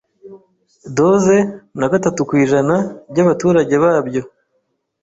doze na gatatu kw’ijana by'abaturage babyo